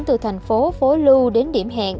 từ thành phố phố lưu đến điểm hẹn